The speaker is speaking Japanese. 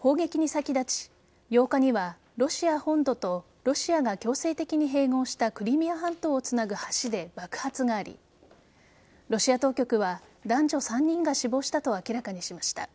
砲撃に先立ち、８日にはロシア本土とロシアが強制的に併合したクリミア半島をつなぐ橋で爆発がありロシア当局は男女３人が死亡したと明らかにしました。